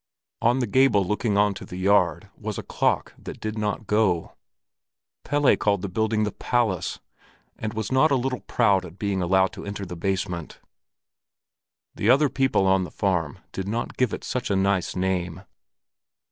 On the gable looking on to the yard was a clock that did not go. Pelle called the building the Palace, and was not a little proud of being allowed to enter the basement. The other people on the farm did not give it such a nice name.